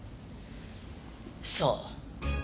そう。